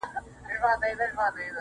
علم انسان بیداروي.